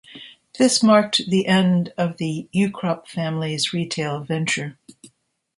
This marked the end of the Ukrop family's retail venture.